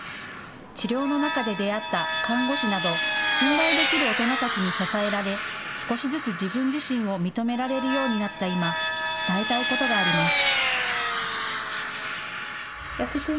治療の中で出会った看護師など信頼できる大人たちに支えられ少しずつ自分自身を認められるようになった今、伝えたいことがあります。